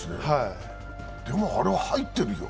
でも、あれは入ってるよ。